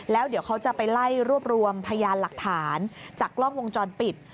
แล้วเดี๋ยวเขาจะไปไล่รวบรวมพยานหลักฐานจากกล้องวงจรปิด